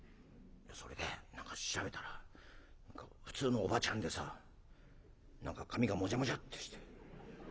「それで調べたら普通のおばちゃんでさ何か髪がモジャモジャッてして。